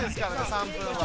３分は。